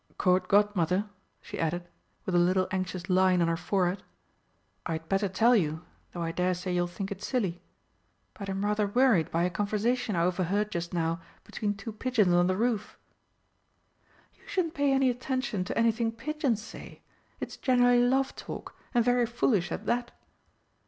Court Godmother," she added, with a little anxious line on her forehead, "I'd better tell you, though I dare say you'll think it silly but I'm rather worried by a conversation I overheard just now between two pigeons on the roof." "You shouldn't pay any attention to anything pigeons say it's generally love talk; and very foolish at that."